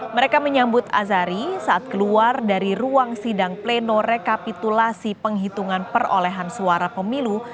mereka menyambut azari saat keluar dari ruang sidang pleno rekapitulasi penghitungan perolehan suara pemilu